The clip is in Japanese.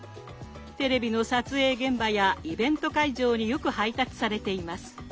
テレビの撮影現場やイベント会場によく配達されています。